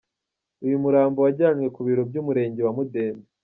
Uyu murambo wajyanywe ku biro by’ umurenge wa Mudende.